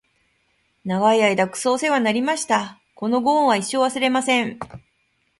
長い間クソおせわになりました！！！このご恩は一生、忘れません！！